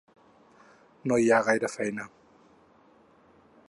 No hi ha gaire feina.